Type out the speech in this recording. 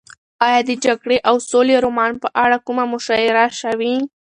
ایا د جګړې او سولې رومان په اړه کومه مشاعره شوې؟